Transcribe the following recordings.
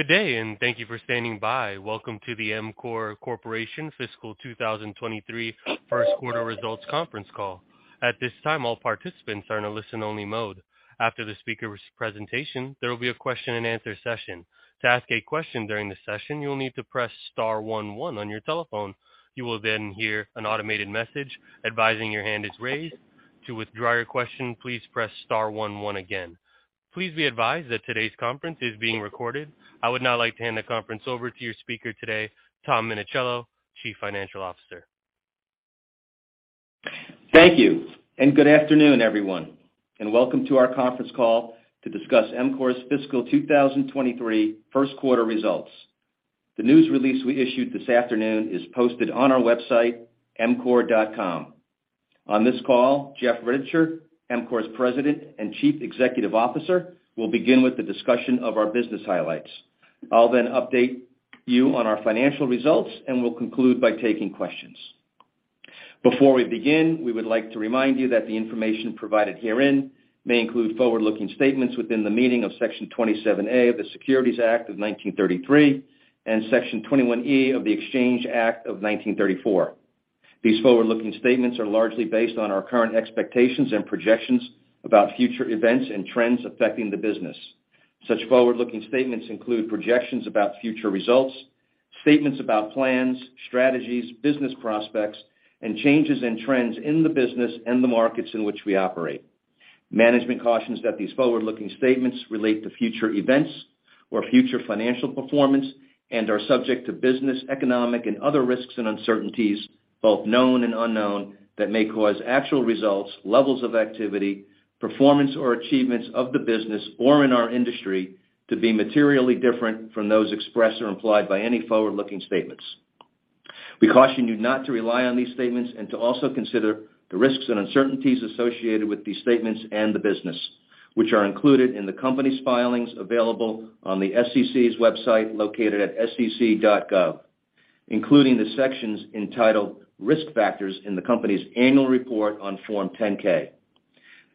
Good day. Thank you for standing by. Welcome to the EMCORE Corporation Fiscal 2023 1st quarter results conference call. At this time, all participants are in a listen-only mode. After the speaker's presentation, there will be a question-and-answer session. To ask a question during the session, you will need to press star one one on your telephone. You will hear an automated message advising your hand is raised. To withdraw your question, please press star one one again. Please be advised that today's conference is being recorded. I would now like to hand the conference over to your speaker today, Tom Minichiello, Chief Financial Officer. Thank you, good afternoon, everyone, and welcome to our conference call to discuss EMCORE's fiscal 2023 first quarter results. The news release we issued this afternoon is posted on our website, emcore.com. On this call, Jeff Rittichier, EMCORE's President and Chief Executive Officer, will begin with a discussion of our business highlights. I'll then update you on our financial results, and we'll conclude by taking questions. Before we begin, we would like to remind you that the information provided herein may include forward-looking statements within the meaning of Section 27A of the Securities Act of 1933 and Section 21E of the Exchange Act of 1934. These forward-looking statements are largely based on our current expectations and projections about future events and trends affecting the business. Such forward-looking statements include projections about future results, statements about plans, strategies, business prospects, and changes in trends in the business and the markets in which we operate. Management cautions that these forward-looking statements relate to future events or future financial performance and are subject to business, economic, and other risks and uncertainties, both known and unknown, that may cause actual results, levels of activity, performance, or achievements of the business or in our industry to be materially different from those expressed or implied by any forward-looking statements. We caution you not to rely on these statements and to also consider the risks and uncertainties associated with these statements and the business, which are included in the company's filings available on the SEC's website located at SEC.gov, including the sections entitled Risk Factors in the Company's Annual Report on Form 10-K.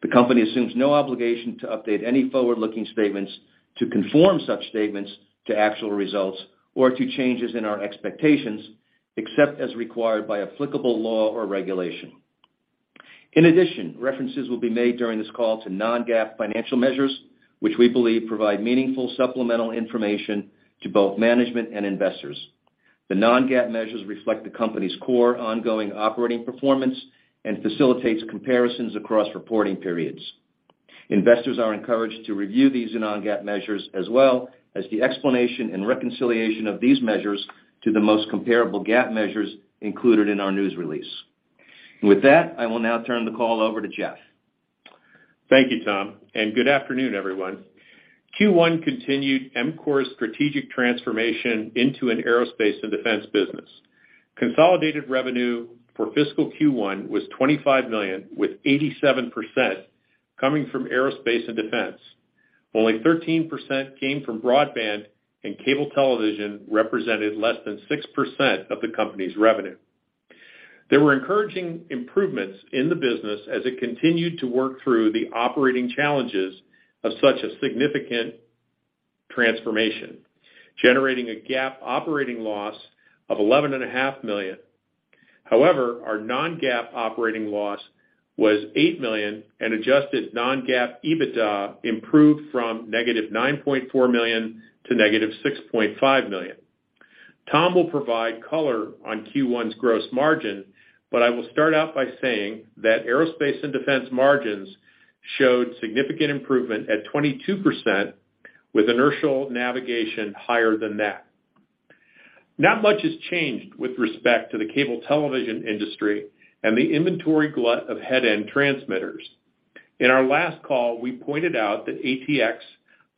The company assumes no obligation to update any forward-looking statements to conform such statements to actual results or to changes in our expectations, except as required by applicable law or regulation. In addition, references will be made during this call to non-GAAP financial measures, which we believe provide meaningful supplemental information to both management and investors. The non-GAAP measures reflect the company's core ongoing operating performance and facilitates comparisons across reporting periods. Investors are encouraged to review these non-GAAP measures as well as the explanation and reconciliation of these measures to the most comparable GAAP measures included in our news release. With that, I will now turn the call over to Jeff. Thank you, Tom, and good afternoon, everyone. Q1 continued EMCORE's strategic transformation into an aerospace and defense business. Consolidated revenue for fiscal Q1 was $25 million, with 87% coming from aerospace and defense. Only 13% came from broadband, and cable television represented less than 6% of the company's revenue. There were encouraging improvements in the business as it continued to work through the operating challenges of such a significant transformation, generating a GAAP operating loss of $11.5 million. However, our non-GAAP operating loss was $8 million, and adjusted non-GAAP EBITDA improved from negative $9.4 million to negative $6.5 million. Tom will provide color on Q1's gross margin, but I will start out by saying that aerospace and defense margins showed significant improvement at 22%, with inertial navigation higher than that. Not much has changed with respect to the cable television industry and the inventory glut of headend transmitters. In our last call, we pointed out that ATX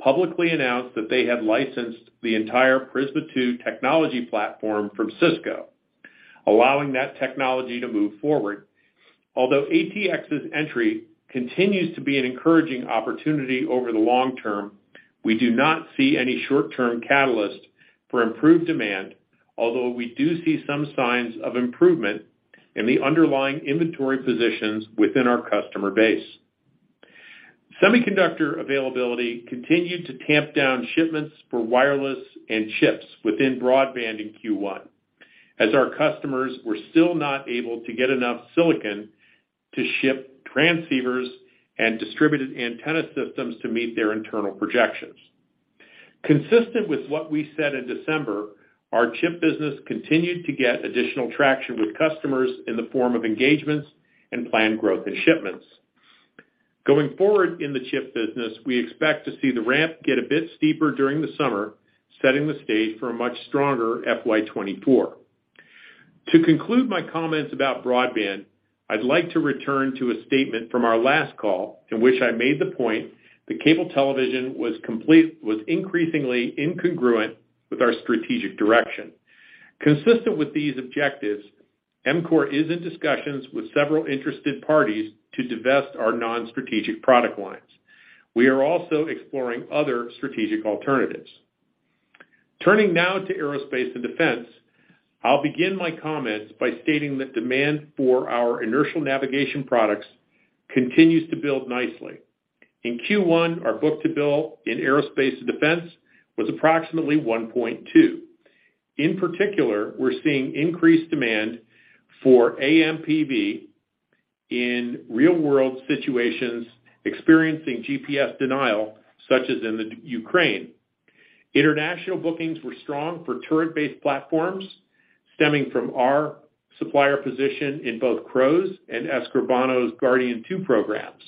publicly announced that they had licensed the entire Prisma II technology platform from Cisco, allowing that technology to move forward. Although ATX's entry continues to be an encouraging opportunity over the long term, we do not see any short-term catalyst for improved demand, although we do see some signs of improvement in the underlying inventory positions within our customer base. Semiconductor availability continued to tamp down shipments for wireless and chips within broadband in Q1, as our customers were still not able to get enough silicon to ship transceivers and distributed antenna systems to meet their internal projections. Consistent with what we said in December, our chip business continued to get additional traction with customers in the form of engagements and planned growth in shipments. Going forward in the chip business, we expect to see the ramp get a bit steeper during the summer, setting the stage for a much stronger FY 2024. To conclude my comments about broadband, I'd like to return to a statement from our last call in which I made the point that cable television was increasingly incongruent with our strategic direction. Consistent with these objectives, EMCORE is in discussions with several interested parties to divest our non-strategic product lines. We are also exploring other strategic alternatives. Turning now to aerospace and defense. I'll begin my comments by stating that demand for our inertial navigation products continues to build nicely. In Q1, our book-to-bill in aerospace and defense was approximately 1.2. In particular, we're seeing increased demand for AMPV in real-world situations experiencing GPS denial, such as in the Ukraine. International bookings were strong for turret-based platforms, stemming from our supplier position in both CROWS and Escribano's GUARDIAN 2 programs.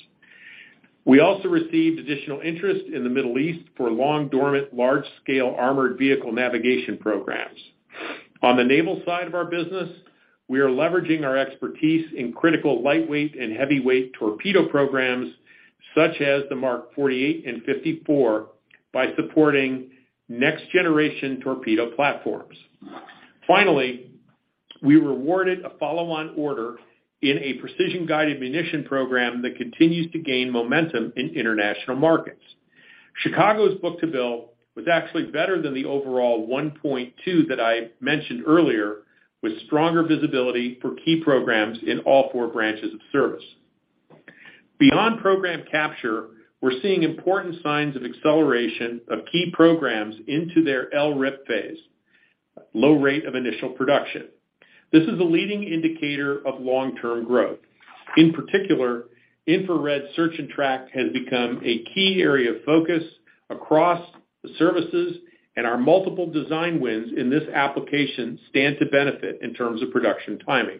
We also received additional interest in the Middle East for long-dormant, large-scale armored vehicle navigation programs. On the naval side of our business, we are leveraging our expertise in critical lightweight and heavyweight torpedo programs, such as the Mark 48 and 54, by supporting next-generation torpedo platforms. We were awarded a follow-on order in a precision-guided munition program that continues to gain momentum in international markets. Chicago's book-to-bill was actually better than the overall 1.2 that I mentioned earlier, with stronger visibility for key programs in all four branches of service. Beyond program capture, we're seeing important signs of acceleration of key programs into their LRIP phase, low rate of initial production. This is a leading indicator of long-term growth. In particular, infrared search and track has become a key area of focus across the services, and our multiple design wins in this application stand to benefit in terms of production timing.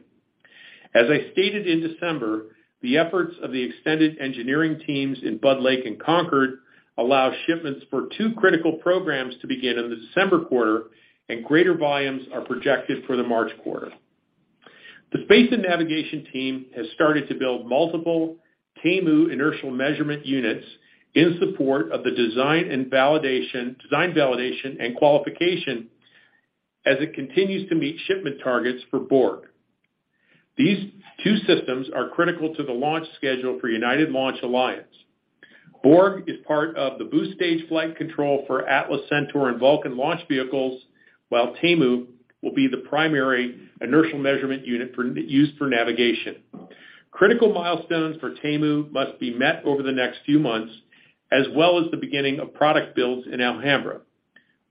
As I stated in December, the efforts of the extended engineering teams in Budd Lake and Concord allow shipments for two critical programs to begin in the December quarter, and greater volumes are projected for the March quarter. The Space and Vavigation team has started to build multiple TAIMU inertial measurement units in support of the design validation and qualification as it continues to meet shipment targets for BoRG. These two systems are critical to the launch schedule for United Launch Alliance. BoRG is part of the boost-stage flight control for Atlas Centaur and Vulcan launch vehicles, while TAIMU will be the primary inertial measurement unit used for navigation. Critical milestones for TAIMU must be met over the next few months, as well as the beginning of product builds in Alhambra.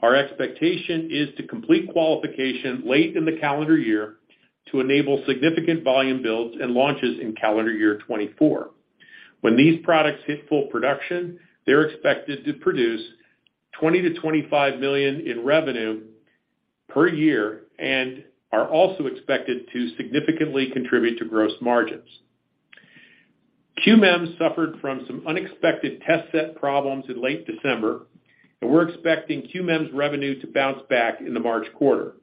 Our expectation is to complete qualification late in the calendar year to enable significant volume builds and launches in calendar year 2024. When these products hit full production, they're expected to produce $20 million-$25 million in revenue per year and are also expected to significantly contribute to gross margins. QMEMS suffered from some unexpected test set problems in late December, and we're expecting QMEMS revenue to bounce back in the March quarter.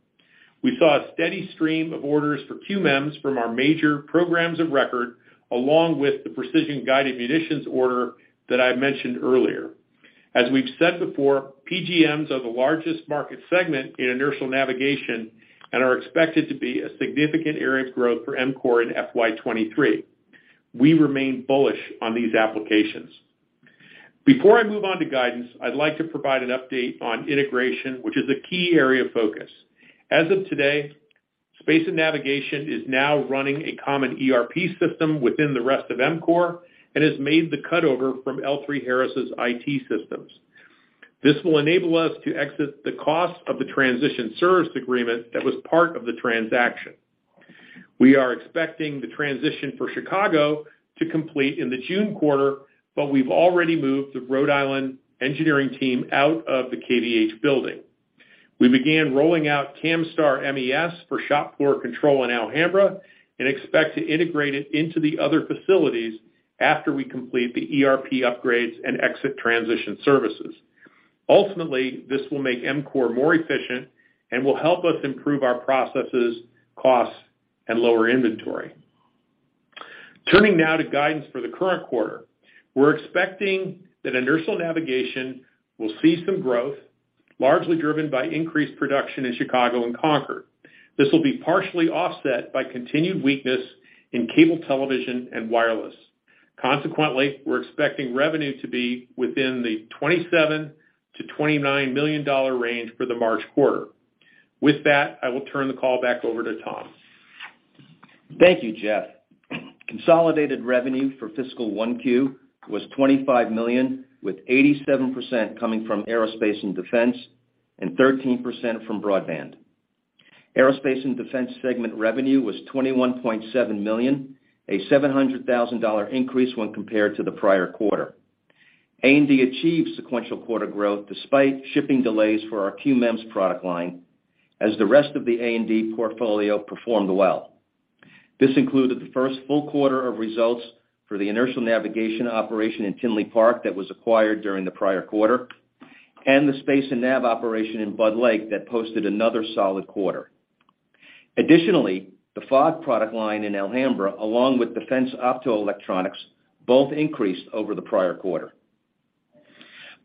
We saw a steady stream of orders for QMEMS from our major programs of record along with the precision-guided munitions order that I mentioned earlier. We've said before, PGMs are the largest market segment in inertial navigation and are expected to be a significant area of growth for EMCORE in FY 2023. We remain bullish on these applications. Before I move on to guidance, I'd like to provide an update on integration, which is a key area of focus. As of today, Space and Navigation is now running a common ERP system within the rest of EMCORE and has made the cutover from L3Harris' IT systems. This will enable us to exit the cost of the transition service agreement that was part of the transaction. We are expecting the transition for Chicago to complete in the June quarter, we've already moved the Rhode Island engineering team out of the KVH building. We began rolling out Camstar MES for shop floor control in Alhambra and expect to integrate it into the other facilities after we complete the ERP upgrades and exit transition services. Ultimately, this will make EMCORE more efficient and will help us improve our processes, costs, and lower inventory. Turning now to guidance for the current quarter. We're expecting that inertial navigation will see some growth, largely driven by increased production in Chicago and Concord. We're expecting revenue to be within the $27 million-$29 million range for the March quarter. With that, I will turn the call back over to Tom. Thank you, Jeff. Consolidated revenue for fiscal 1Q was $25 million, with 87% coming from aerospace and defense, and 13% from broadband. Aerospace and Defense segment revenue was $21.7 million, a $700,000 increase when compared to the prior quarter. A&D achieved sequential quarter growth despite shipping delays for our QMEMS product line, as the rest of the A&D portfolio performed well. This included the first full quarter of results for the inertial navigation operation in Tinley Park that was acquired during the prior quarter, and the space and nav operation in Budd Lake that posted another solid quarter. The FOG product line in Alhambra, along with Defense Optoelectronics, both increased over the prior quarter.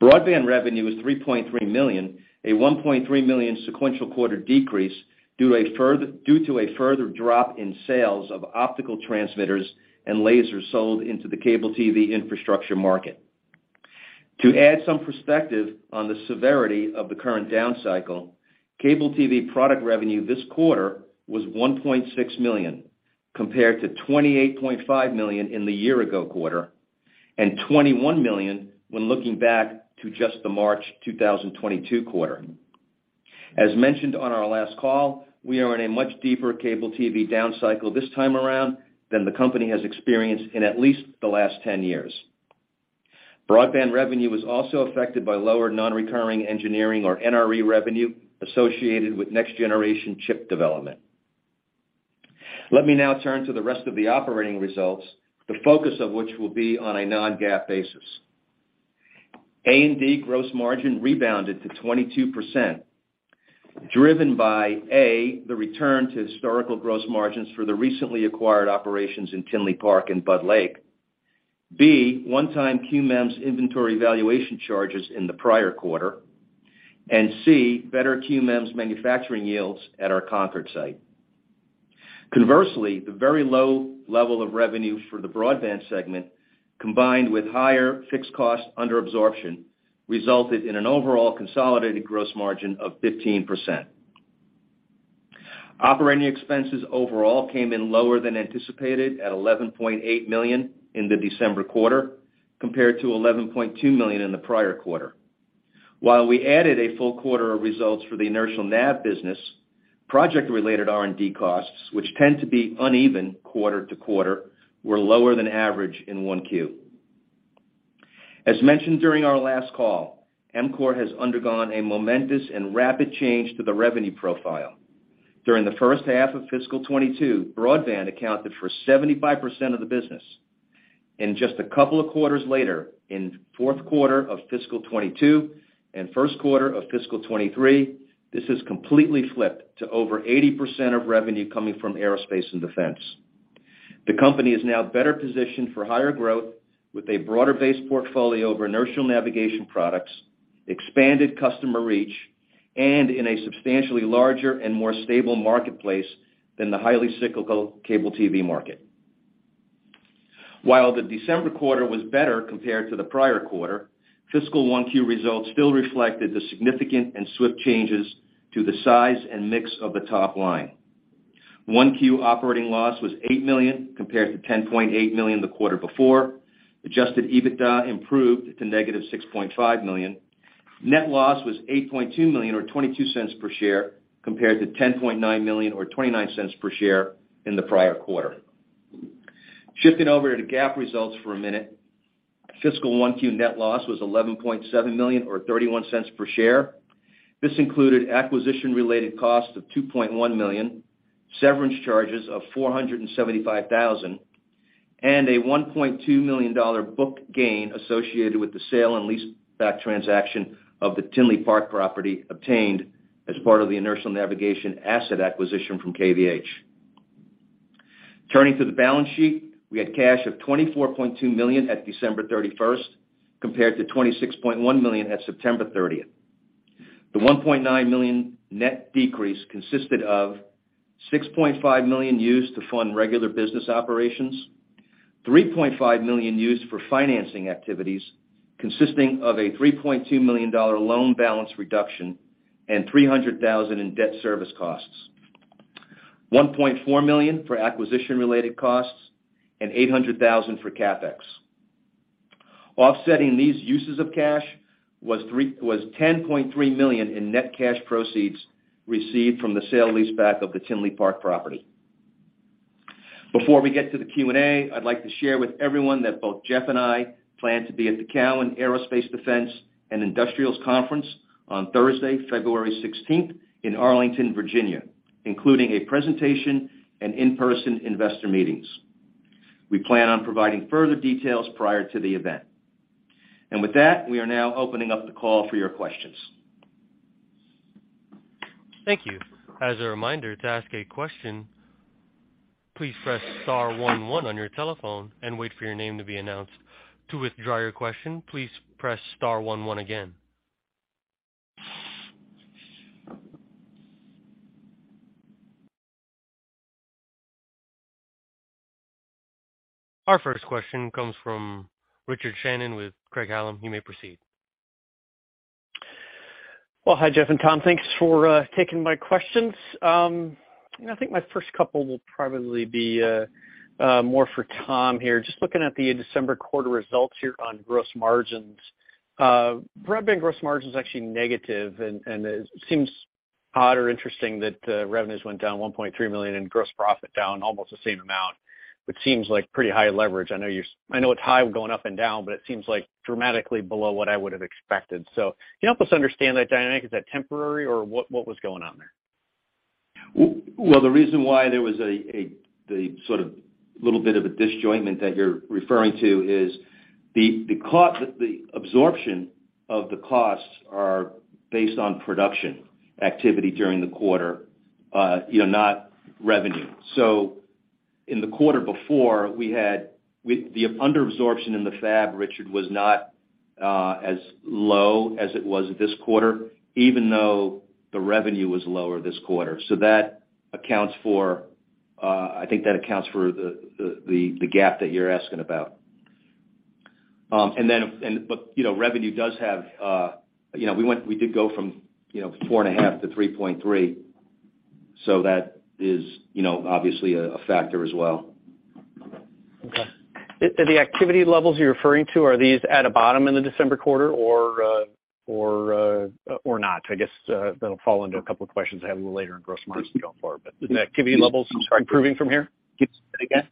Broadband revenue was $3.3 million, a $1.3 million sequential quarter decrease due to a further drop in sales of optical transmitters and lasers sold into the cable TV infrastructure market. To add some perspective on the severity of the current down cycle, cable TV product revenue this quarter was $1.6 million, compared to $28.5 million in the year-ago quarter, and $21 million when looking back to just the March 2022 quarter. As mentioned on our last call, we are in a much deeper cable TV down cycle this time around than the company has experienced in at least the last 10 years. Broadband revenue was also affected by lower non-recurring engineering or NRE revenue associated with next-generation chip development. Let me now turn to the rest of the operating results, the focus of which will be on a non-GAAP basis. A&D gross margin rebounded to 22%, driven by: A, the return to historical gross margins for the recently acquired operations in Tinley Park and Budd Lake, B, one-time QMEMS inventory valuation charges in the prior quarter, and C, better QMEMS manufacturing yields at our Concord site. Conversely, the very low level of revenue for the broadband segment, combined with higher fixed costs under absorption, resulted in an overall consolidated gross margin of 15%. Operating expenses overall came in lower than anticipated at $11.8 million in the December quarter compared to $11.2 million in the prior quarter. While we added a full quarter of results for the inertial nav business, project-related R&D costs, which tend to be uneven quarter to quarter, were lower than average in 1Q. As mentioned during our last call, EMCORE has undergone a momentous and rapid change to the revenue profile. During the first half of fiscal 22, broadband accounted for 75% of the business. Just a couple of quarters later, in fourth quarter of fiscal 2022 and first quarter of fiscal 2023, this has completely flipped to over 80% of revenue coming from aerospace and defense. The company is now better positioned for higher growth with a broader-based portfolio over inertial navigation products, expanded customer reach, and in a substantially larger and more stable marketplace than the highly cyclical cable TV market. While the December quarter was better compared to the prior quarter, fiscal 1Q results still reflected the significant and swift changes to the size and mix of the top line. 1Q operating loss was $8 million compared to $10.8 million the quarter before. Adjusted EBITDA improved to -$6.5 million. Net loss was $8.2 million or $0.22 per share, compared to $10.9 million or $0.29 per share in the prior quarter. Shifting over to GAAP results for a minute. Fiscal 1Q net loss was $11.7 million or $0.31 per share. This included acquisition related costs of $2.1 million, severance charges of $475,000, and a $1.2 million book gain associated with the sale and lease back transaction of the Tinley Park property obtained as part of the inertial navigation asset acquisition from KVH. Turning to the balance sheet, we had cash of $24.2 million at December thirty-first, compared to $26.1 million at September thirtieth. The $1.9 million net decrease consisted of $6.5 million used to fund regular business operations, $3.5 million used for financing activities, consisting of a $3.2 million loan balance reduction and $300,000 in debt service costs, $1.4 million for acquisition related costs, and $800,000 for CapEx. Offsetting these uses of cash was $10.3 million in net cash proceeds received from the sale leaseback of the Tinley Park property. Before we get to the Q&A, I'd like to share with everyone that both Jeff and I plan to be at the Cowen Aerospace, Defense, and Industrials Conference on Thursday, February 16th in Arlington, Virginia, including a presentation and in-person investor meetings. We plan on providing further details prior to the event. We are now opening up the call for your questions. Thank you. As a reminder to ask a question, please press star one one on your telephone and wait for your name to be announced. To withdraw your question, please press star one one again. Our first question comes from Richard Shannon with Craig-Hallum. You may proceed. Well, hi, Jeff and Tom. Thanks for taking my questions. I think my first couple will probably be more for Tom here. Just looking at the December quarter results here on gross margins. Broadband gross margin is actually negative, and it seems odd or interesting that the revenues went down $1.3 million and gross profit down almost the same amount, which seems like pretty high leverage. I know it's high going up and down, but it seems like dramatically below what I would have expected. Can you help us understand that dynamic? Is that temporary or what was going on there? Well, the reason why there was a, the sort of little bit of a disjointed that you're referring to is the absorption of the costs are based on production activity during the quarter, you know, not revenue. In the quarter before, the under absorption in the fab, Richard, was not as low as it was this quarter, even though the revenue was lower this quarter. That accounts for. I think that accounts for the gap that you're asking about. You know, revenue does have, you know, we did go from, you know, 4.5 to 3.3, so that is, you know, obviously a factor as well. Okay. The activity levels you're referring to, are these at a bottom in the December quarter or not? I guess that'll fall under a couple of questions I have a little later in gross margins going forward. The activity levels improving from here? Sorry. Say that again.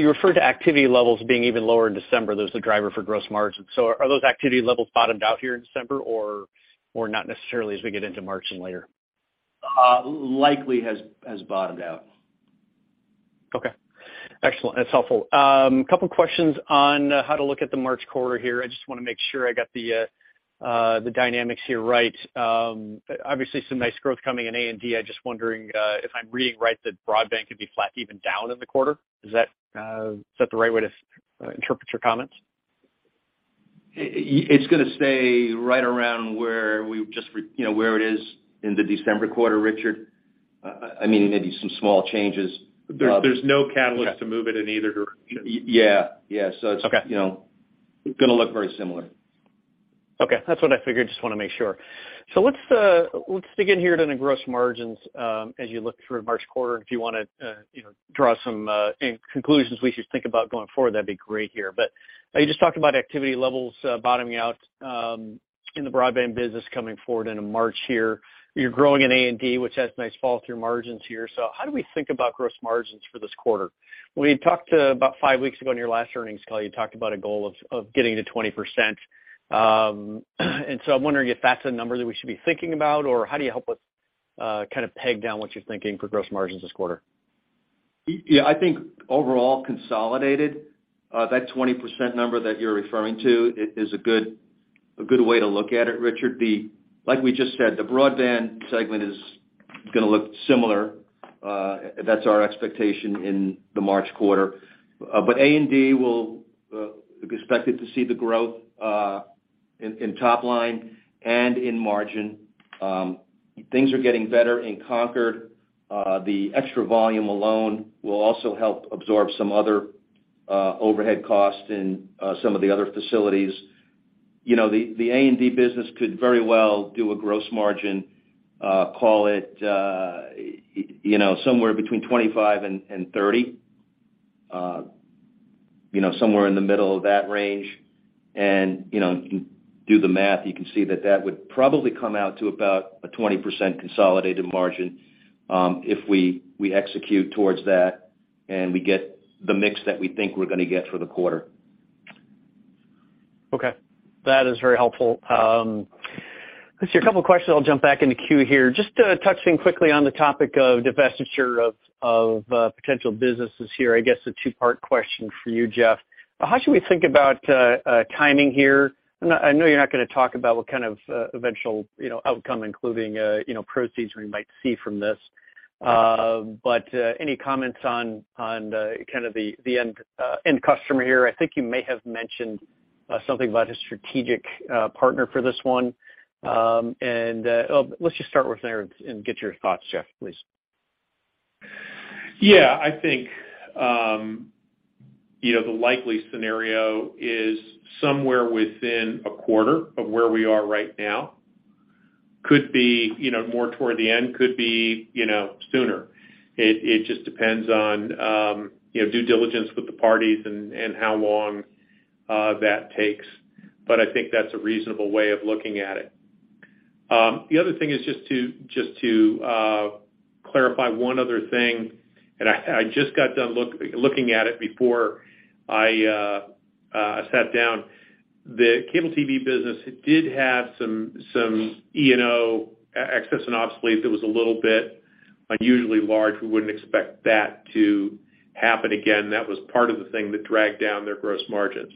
You referred to activity levels being even lower in December. There's the driver for gross margin. Are those activity levels bottomed out here in December or not necessarily as we get into March and later? Likely has bottomed out. Okay. Excellent. That's helpful. A couple questions on how to look at the March quarter here. I just wanna make sure I got the dynamics here right. Obviously some nice growth coming in A&D. I'm just wondering if I'm reading right, that broadband could be flat, even down in the quarter. Is that the right way to interpret your comments? It's gonna stay right around where we just you know, where it is in the December quarter, Richard. I mean, maybe some small changes. There's no catalyst to move it in either direction. Yeah. Yeah. Okay. It's, you know, gonna look very similar. Okay. That's what I figured. Just wanna make sure. Let's dig in here into gross margins as you look through March quarter. If you wanna, you know, draw some conclusions we should think about going forward, that'd be great here. You just talked about activity levels bottoming out in the broadband business coming forward into March here. You're growing in A&D, which has nice fall through margins here. How do we think about gross margins for this quarter? We talked about five weeks ago in your last earnings call, you talked about a goal of getting to 20%. I'm wondering if that's a number that we should be thinking about, or how do you help us kind of peg down what you're thinking for gross margins this quarter? I think overall consolidated, that 20% number that you're referring to is a good, a good way to look at it, Richard. Like we just said, the broadband segment is gonna look similar, that's our expectation in the March quarter. A&D will be expected to see the growth in top line and in margin. Things are getting better in Concord. The extra volume alone will also help absorb some other overhead costs in some of the other facilities. You know, the A&D business could very well do a gross margin, call it, you know, somewhere between 25% and 30%. You know, somewhere in the middle of that range, you know, do the math, you can see that that would probably come out to about a 20% consolidated margin, if we execute towards that and we get the mix that we think we're gonna get for the quarter. Okay. That is very helpful. Let's see. A couple questions, I'll jump back in the queue here. Just touching quickly on the topic of divestiture of potential businesses here. I guess a two-part question for you, Jeff. How should we think about timing here? I know you're not gonna talk about what kind of eventual, you know, outcome, including, you know, proceeds we might see from this. But any comments on the kind of the end customer here? I think you may have mentioned something about a strategic partner for this one. Let's just start with there and get your thoughts, Jeff, please. Yeah, I think, you know, the likely scenario is somewhere within a quarter of where we are right now. Could be, you know, more toward the end, could be, you know, sooner. It just depends on, you know, due diligence with the parties and how long that takes. I think that's a reasonable way of looking at it. The other thing is just to clarify one other thing, and I just got done looking at it before I sat down. The cable TV business did have some E&O, excess and obsolete, that was a little bit unusually large. We wouldn't expect that to happen again. That was part of the thing that dragged down their gross margins.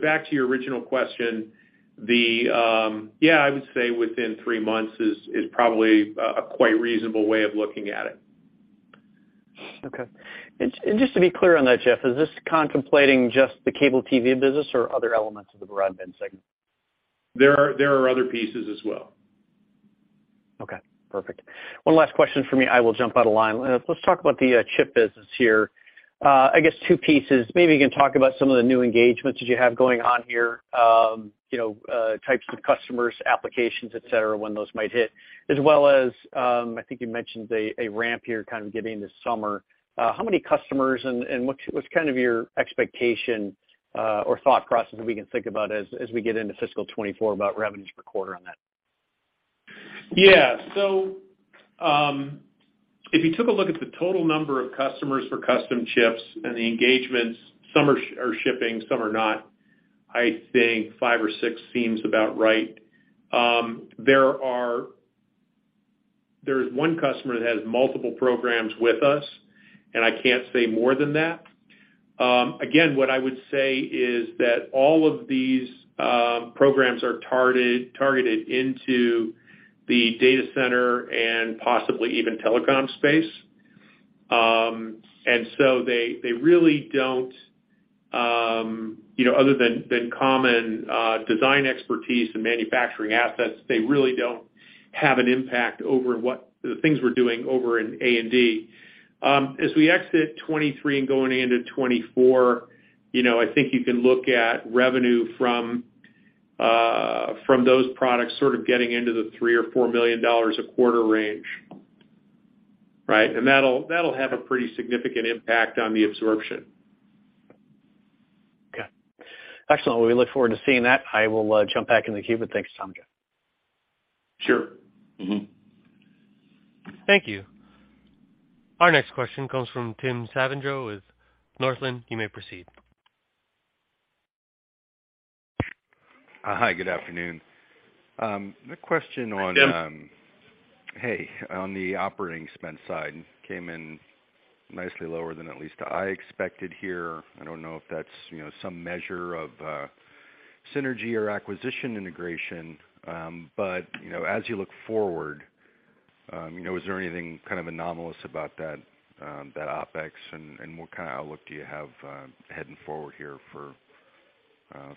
Back to your original question, yeah, I would say within three months is probably a quite reasonable way of looking at it. Okay. Just to be clear on that, Jeff, is this contemplating just the cable TV business or other elements of the broadband segment? There are other pieces as well. Okay, perfect. One last question for me, I will jump out of line. Let's talk about the chip business here. I guess two pieces. Maybe you can talk about some of the new engagements that you have going on here, you know, types of customers, applications, et cetera, when those might hit. As well as, I think you mentioned a ramp here kind of getting this summer. How many customers and what's kind of your expectation or thought process that we can think about as we get into fiscal 2024 about revenues per quarter on that? If you took a look at the total number of customers for custom chips and the engagements, some are shipping, some are not, I think five or six seems about right. There's one customer that has multiple programs with us, and I can't say more than that. Again, what I would say is that all of these programs are targeted into the data center and possibly even telecom space. They, they really don't, you know, other than common design expertise and manufacturing assets, they really don't have an impact over what the things we're doing over in A&D.As we exit 2023 and going into 2024, you know, I think you can look at revenue from those products sort of getting into the $3 million-$4 million a quarter range, right? That'll, that'll have a pretty significant impact on the absorption. Okay. Excellent. Well, we look forward to seeing that. I will jump back in the queue. Thanks, Tom. Jeff. Sure. Mm-hmm. Thank you. Our next question comes from Tim Savageaux with Northland. You may proceed. Hi, good afternoon. Hi, Tim. Hey. On the operating spend side, came in nicely lower than at least I expected here. I don't know if that's, you know, some measure of synergy or acquisition integration. You know, as you look forward, you know, is there anything kind of anomalous about that OpEx? What kind of outlook do you have heading forward here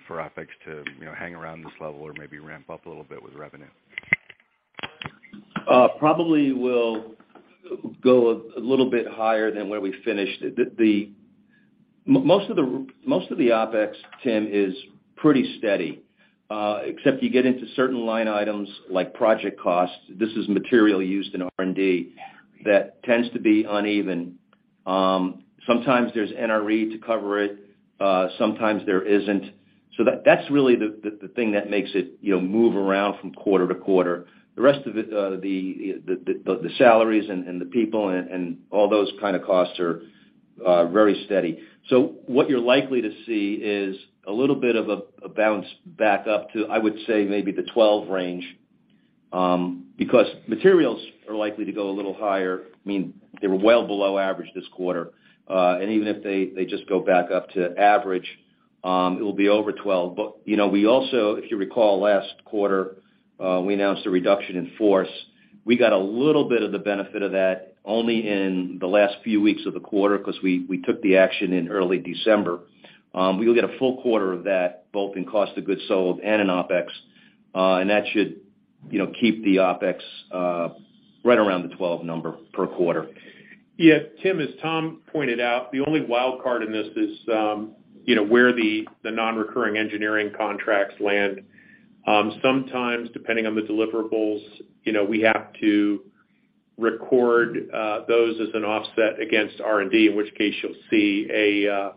for OpEx to, you know, hang around this level or maybe ramp up a little bit with revenue? Probably will go a little bit higher than where we finished. Most of the OpEx, Tim, is pretty steady, except you get into certain line items like project costs, this is material used in R&D, that tends to be uneven. Sometimes there's NRE to cover it, sometimes there isn't. That's really the thing that makes it, you know, move around from quarter to quarter. The rest of it, the salaries and the people and all those kind of costs are very steady. What you're likely to see is a little bit of a bounce back up to, I would say, maybe the 12 range, because materials are likely to go a little higher. I mean, they were well below average this quarter. Even if they just go back up to average, it'll be over $12. You know, we also, if you recall last quarter, we announced a reduction in force. We got a little bit of the benefit of that only in the last few weeks of the quarter because we took the action in early December. We will get a full quarter of that both in cost of goods sold and in OpEx. And that should, you know, keep the OpEx right around the $12 number per quarter. Yeah, Tim, as Tom pointed out, the only wild card in this is, you know, where the non-recurring engineering contracts land. Sometimes depending on the deliverables, you know, we have to record those as an offset against R&D, in which case you'll see a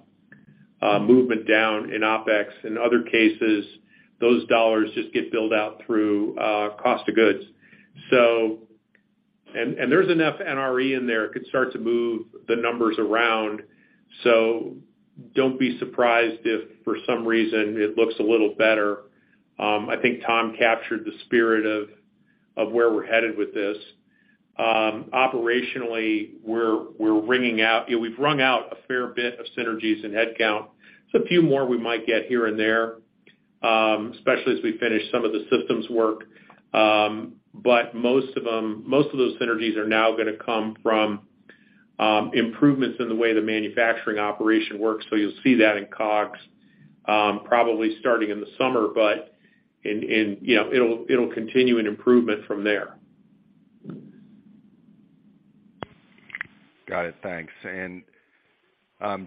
movement down in OpEx. In other cases, those dollars just get billed out through cost of goods. There's enough NRE in there, it could start to move the numbers around, so don't be surprised if for some reason it looks a little better. I think Tom captured the spirit of where we're headed with this. Operationally, you know, we've wrung out a fair bit of synergies in headcount. There's a few more we might get here and there, especially as we finish some of the systems work. Most of those synergies are now gonna come from improvements in the way the manufacturing operation works you'll see that in COGS, probably starting in the summer. in, you know, it'll continue in improvement from there. Got it. Thanks.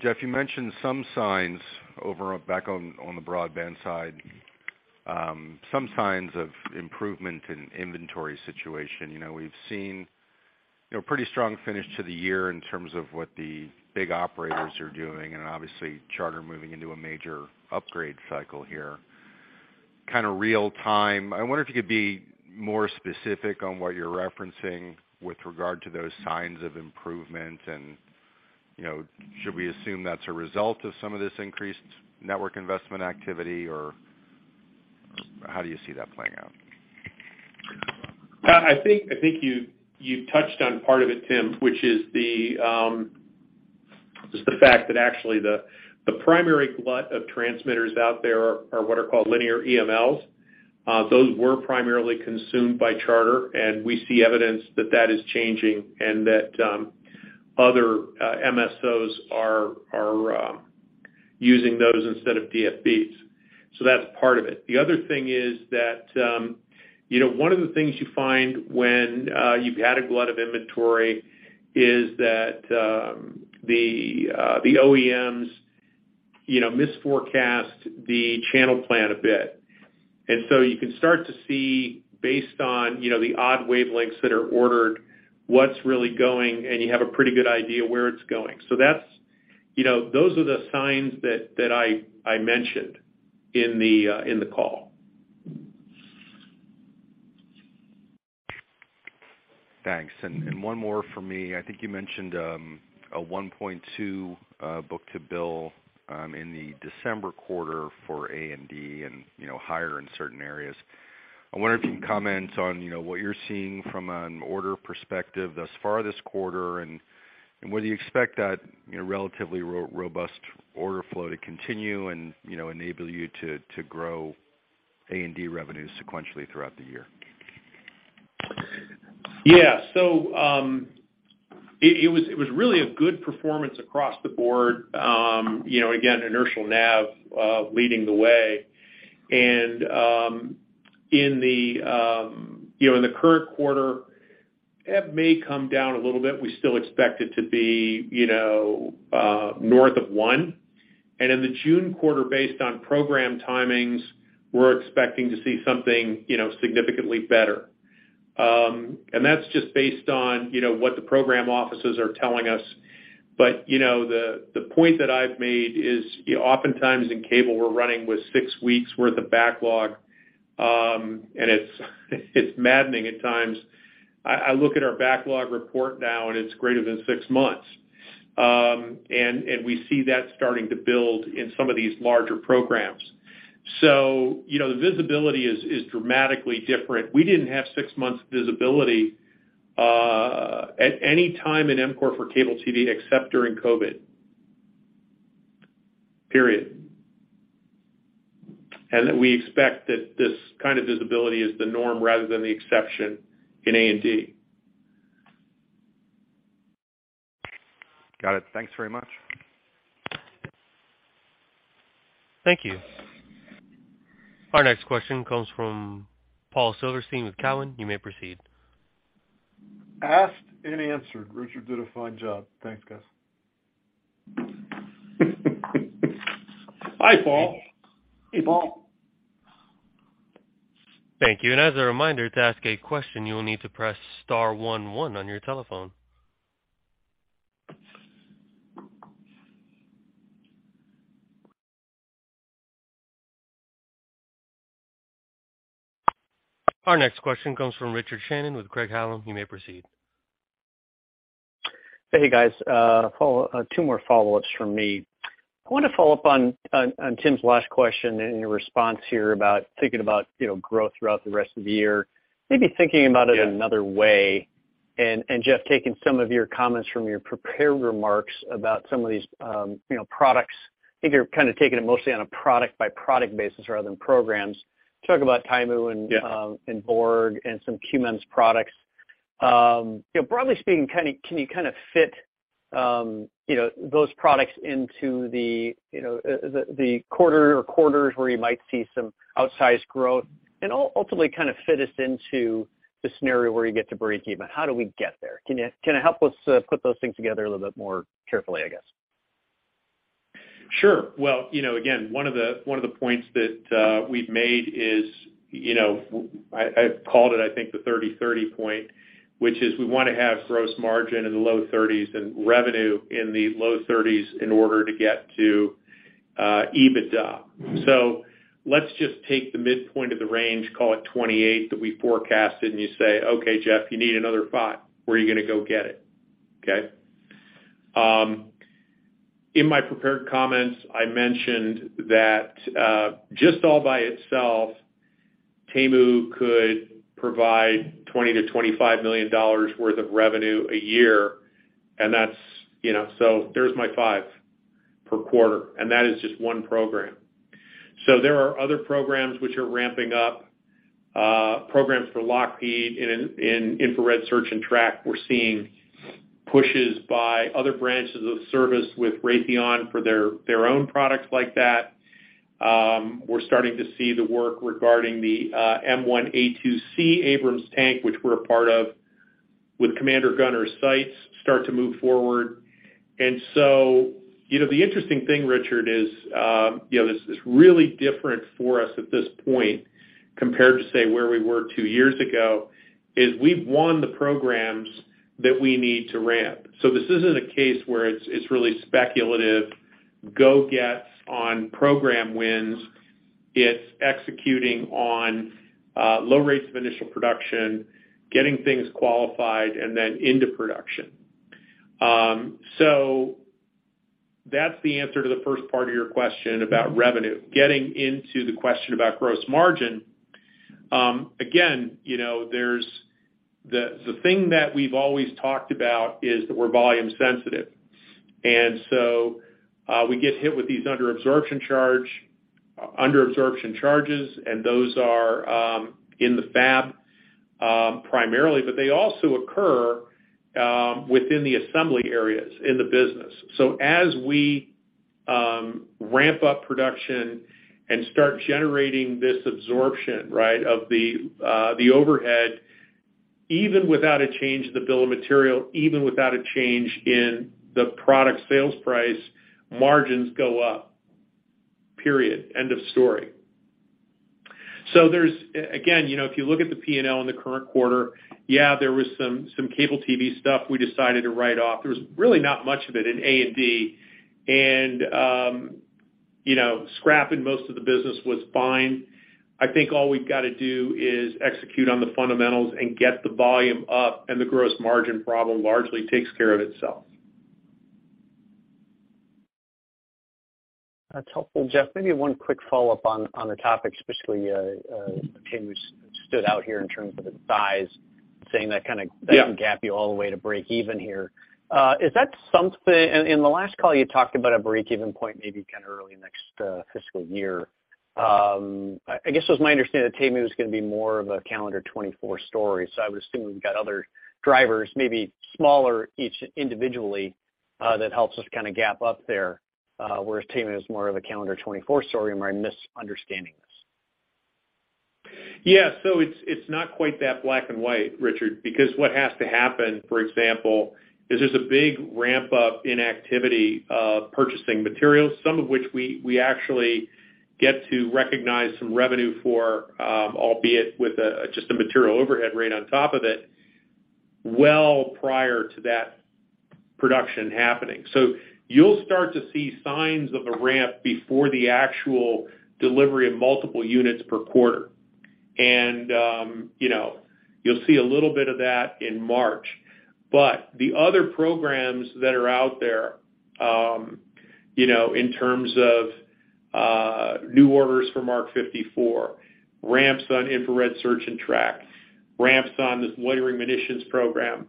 Jeff, you mentioned some signs over, back on the broadband side, some signs of improvement in inventory situation. You know, we've seen, you know, pretty strong finish to the year in terms of what the big operators are doing and obviously Charter moving into a major upgrade cycle here. Kind of real time, I wonder if you could be more specific on what you're referencing with regard to those signs of improvement. You know, should we assume that's a result of some of this increased network investment activity, or how do you see that playing out? I think you touched on part of it, Tim, which is the fact that actually the primary glut of transmitters out there are what are called linear EMLs. Those were primarily consumed by Charter, and we see evidence that that is changing and that other MSOs are using those instead of DFBs. That's part of it. The other thing is that, you know, one of the things you find when you've had a glut of inventory is that the OEMs, you know, misforecast the channel plan a bit. You can start to see based on, you know, the odd wavelengths that are ordered, what's really going, and you have a pretty good idea where it's going. That's, you know, those are the signs that I mentioned in the call. Thanks. One more for me. I think you mentioned a 1.2 book-to-bill in the December quarter for A&D and, you know, higher in certain areas. I wonder if you can comment on, you know, what you're seeing from an order perspective thus far this quarter and whether you expect that, you know, relatively robust order flow to continue and, you know, enable you to grow A&D revenues sequentially throughout the year. Yeah. It was really a good performance across the board. You know, again, inertial nav leading the way. In the current quarter, it may come down a little bit. We still expect it to be, you know, north of 1. In the June quarter, based on program timings, we're expecting to see something, you know, significantly better. That's just based on, you know, what the program offices are telling us. You know, the point that I've made is oftentimes in cable, we're running with six weeks worth of backlog, and it's maddening at times. I look at our backlog report now, and it's greater than six months. We see that starting to build in some of these larger programs. You know, the visibility is dramatically different. We didn't have six months visibility at any time in EMCORE for cable TV except during COVID. Period. Then we expect that this kind of visibility is the norm rather than the exception in A&D. Got it. Thanks very much. Thank you. Our next question comes from Paul Silverstein with Cowen. You may proceed. Asked and answered. Richard did a fine job. Thanks, guys. Bye, Paul. Hey, Paul. Thank you. As a reminder, to ask a question, you will need to press star one one on your telephone. Our next question comes from Richard Shannon with Craig-Hallum. You may proceed. Hey, guys, two more follow-ups from me. I wanna follow up on Tim's last question and your response here about thinking about, you know, growth throughout the rest of the year, in another way. Jeff, taking some of your comments from your prepared remarks about some of these, you know, products. I think you're kind of taking it mostly on a product-by-product basis rather than programs. Talk about TAIMU and BoRG and some QMEMS products. You know, broadly speaking, can you kinda fit, you know, those products into the, you know, the quarter or quarters where you might see some outsized growth? Ultimately kind of fit us into the scenario where you get to breakeven. How do we get there? Can you help us put those things together a little bit more carefully, I guess? Sure. Well, you know, again, one of the, one of the points that we've made is, you know, I called it, I think the 30-30 point, which is we wanna have gross margin in the low 30s and revenue in the low 30s in order to get to EBITDA. Let's just take the midpoint of the range, call it 28, that we forecasted, and you say, "Okay, Jeff, you need another 5. Where are you gonna go get it?" In my prepared comments, I mentioned that just all by itself, TAIMU could provide $20 million-$25 million worth of revenue a year, and that's, you know, so there's my 5 per quarter, and that is just one program. There are other programs which are ramping up, programs for Lockheed in infrared search and track. We're seeing pushes by other branches of service with Raytheon for their own products like that. We're starting to see the work regarding the M1A2C Abrams tank, which we're a part of, with commander gunner sites start to move forward. You know, the interesting thing, Richard, is, you know, this is really different for us at this point compared to, say, where we were two years ago, is we've won the programs that we need to ramp. This isn't a case where it's really speculative, go gets on program wins. It's executing on low rates of initial production, getting things qualified and then into production. That's the answer to the first part of your question about revenue. Getting into the question about gross margin, again, you know, there's the thing that we've always talked about is that we're volume sensitive. We get hit with these under absorption charges, and those are in the fab primarily, but they also occur within the assembly areas in the business. As we ramp up production and start generating this absorption, right, of the overhead, even without a change in the bill of material, even without a change in the product sales price, margins go up. Period. End of story. Again, you know, if you look at the P&L in the current quarter, yeah, there was some cable TV stuff we decided to write off. There was really not much of it in A&D. You know, scrapping most of the business was fine. I think all we've gotta do is execute on the fundamentals and get the volume up, and the gross margin problem largely takes care of itself. That's helpful, Jeff. Maybe one quick follow-up on the topic, specifically, TAIMU stood out here in terms of the size. Yeah That can gap you all the way to breakeven here. Is that something? In the last call, you talked about a breakeven point maybe kind of early next fiscal year. I guess it was my understanding that TAIMU is gonna be more of a calendar 2024 story. I would assume we've got other drivers, maybe smaller each individually, that helps us kind of gap up there, whereas TAIMU is more of a calendar 2024 story. Am I misunderstanding this? Yeah. It's not quite that black and white, Richard, because what has to happen, for example, is there's a big ramp up in activity of purchasing materials, some of which we actually get to recognize some revenue for, albeit with a, just a material overhead rate on top of it, well prior to that production happening. You'll start to see signs of a ramp before the actual delivery of multiple units per quarter. You know, you'll see a little bit of that in March. The other programs that are out there, you know, in terms of new orders for Mark 54, ramps on infrared search and track, ramps on this loitering munitions program,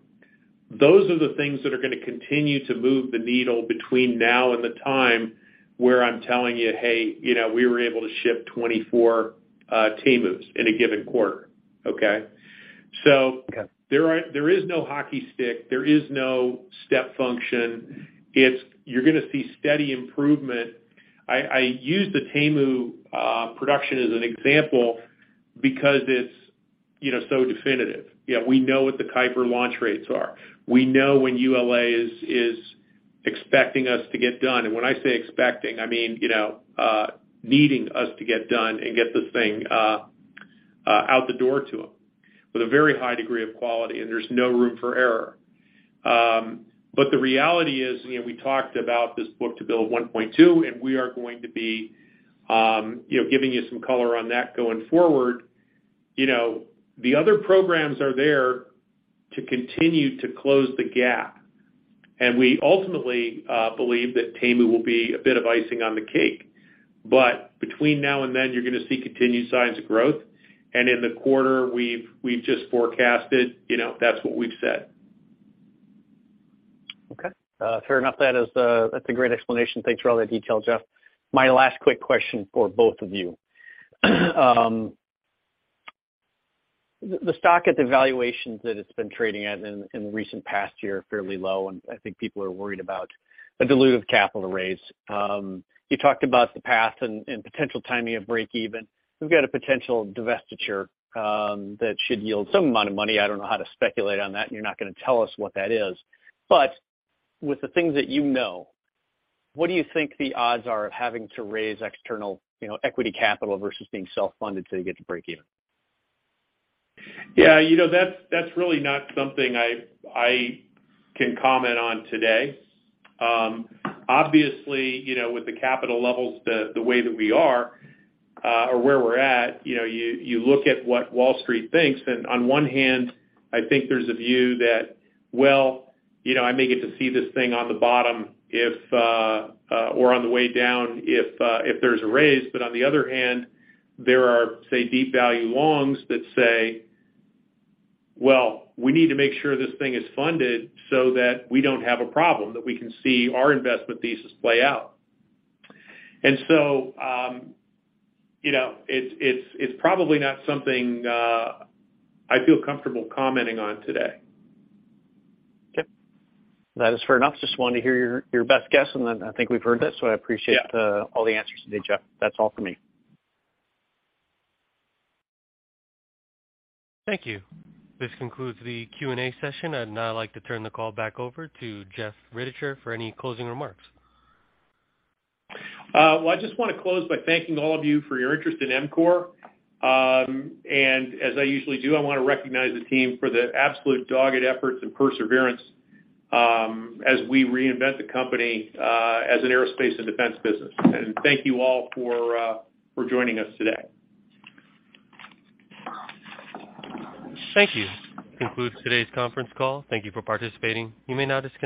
those are the things that are gonna continue to move the needle between now and the time where I'm telling you, "Hey, you know, we were able to ship 24 TAIMUs in a given quarter." Okay? Okay. There is no hockey stick. There is no step function. It's you're gonna see steady improvement. I use the TAIMU production as an example because it's, you know, so definitive. You know, we know what the Kuiper launch rates are. We know when ULA is expecting us to get done. When I say expecting, I mean, you know, needing us to get done and get the thing out the door to them with a very high degree of quality, and there's no room for error. The reality is, you know, we talked about this book-to-bill 1.2, we are going to be, you know, giving you some color on that going forward. You know, the other programs are there to continue to close the gap. We ultimately believe that TAIMU will be a bit of icing on the cake. Between now and then, you're gonna see continued signs of growth. In the quarter we've just forecasted, you know, that's what we've said. Okay. fair enough. That's a great explanation. Thanks for all that detail, Jeff. My last quick question for both of you. The stock at the valuations that it's been trading at in the recent past year are fairly low, and I think people are worried about a dilutive capital raise. You talked about the path and potential timing of breakeven. We've got a potential divestiture that should yield some amount of money. I don't know how to speculate on that, and you're not gonna tell us what that is. With the things that you know, what do you think the odds are of having to raise external, you know, equity capital versus being self-funded till you get to breakeven? Yeah. You know, that's really not something I can comment on today. Obviously, you know, with the capital levels the way that we are, or where we're at, you know, you look at what Wall Street thinks. On one hand, I think there's a view that, well, you know, I may get to see this thing on the bottom if, or on the way down if there's a raise. On the other hand, there are, say, deep value longs that say, "Well, we need to make sure this thing is funded so that we don't have a problem, that we can see our investment thesis play out." You know, it's probably not something I feel comfortable commenting on today. Okay. That is fair enough. Just wanted to hear your best guess, and then I think we've heard that, so I appreciate. Yeah. all the answers today, Jeff. That's all for me. Thank you. This concludes the Q&A session. I'd now like to turn the call back over to Jeff Rittichier for any closing remarks. Well, I just wanna close by thanking all of you for your interest in EMCORE. As I usually do, I wanna recognize the team for the absolute dogged efforts and perseverance, as we reinvent the company, as an aerospace and defense business. Thank you all for joining us today. Thank you. This concludes today's conference call. Thank you for participating. You may now disconnect.